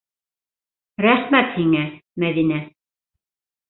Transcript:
Рәхмәт һиңә, Мәҙинә.